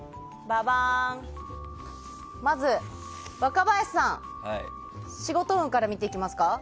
まず若林さん仕事運から見ていきますか。